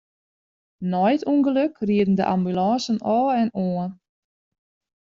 Nei it ûngelok rieden de ambulânsen ôf en oan.